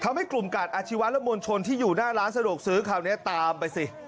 ทำให้กลุ่มกาดอาชีวะและมวลชนที่อยู่หน้าร้านสะดวกซื้อคราวนี้ตามไปสิ